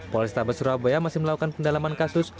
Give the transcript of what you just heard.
polrestabes surabaya masih melakukan pendalaman kasus